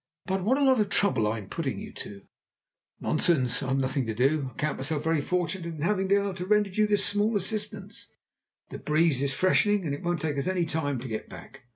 "But what a lot of trouble I'm putting you to." "Nonsense! I've nothing to do, and I count myself very fortunate in having been able to render you this small assistance. The breeze is freshening, and it won't take us any time to get back.